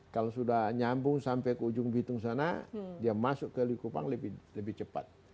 kalau sudah nyambung sampai ke ujung bitung sana dia masuk ke likupang lebih cepat